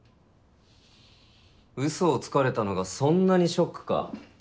嘘をつかれたのがそんなにショックか。